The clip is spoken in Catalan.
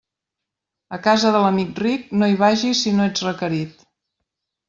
A casa de l'amic ric no hi vagis si no ets requerit.